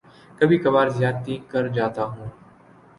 کبھی کبھار زیادتی کر جاتا ہوں